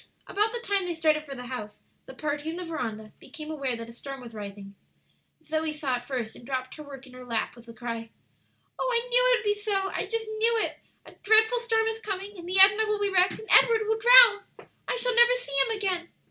About the time they started for the house the party on the veranda became aware that a storm was rising. Zoe saw it first, and dropped her work in her lap with the cry, "Oh, I knew it would be so! I just knew it! A dreadful storm is coming, and the Edna will be wrecked, and Edward will drown. I shall never see him again!"